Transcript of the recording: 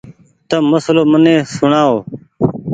تم مسلو مني سوڻآئو۔